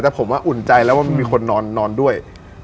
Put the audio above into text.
แต่ผมว่าอุ่นใจแล้วว่ามีคนนอนด้วย